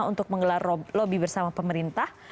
untuk menggelar lobby bersama pemerintah